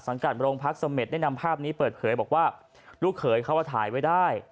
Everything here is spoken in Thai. สังการบริโรงพักษณ์สมมติแนะนำภาพนี้เปิดเขยบอกว่าลูกเขยเขาว่าถ่ายไว้ได้